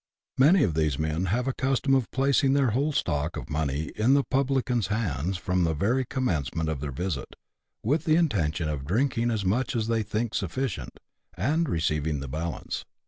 Many of these men have a custom of placing their whole stock of money in the publican's hands from the very commencement of their visit, with the intention of drinking as much as they think sufficient, and receiving the balance.